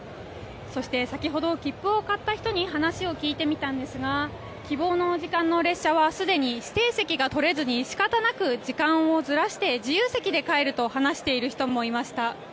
そして先ほど切符を買った人に話を聞いてみたんですが希望の時間の列車はすでに指定席が取れずに仕方なく時間をずらして自由席で帰ると話している人もいました。